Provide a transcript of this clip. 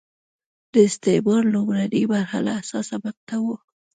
د استعمار لومړنۍ مرحله حساسه مقطعه وه.